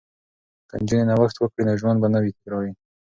که نجونې نوښت وکړي نو ژوند به نه وي تکراري.